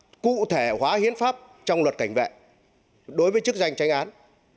chúng ta vẫn chưa quy định thể hóa hiến pháp trong luật cảnh vệ đối với chức danh tránh án